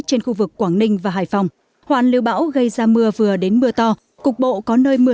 trên khu vực quảng ninh và hải phòng hoàn lưu bão gây ra mưa vừa đến mưa to cục bộ có nơi mưa